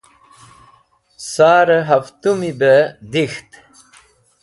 Sar-e haftumi be dik̃ht.